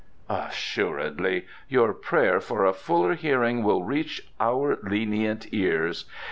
"Assuredly. Your prayer for a fuller hearing will reach our lenient ears.